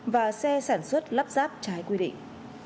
và xe sản xuất lắp ráp trái quy định